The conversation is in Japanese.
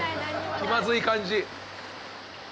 気まずい感じ。